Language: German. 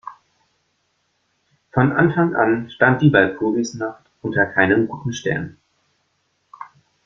Von Anfang an stand die Walpurgisnacht unter keinem guten Stern.